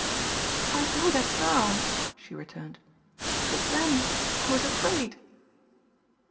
"I know that now," she returned, "but then I was afraid."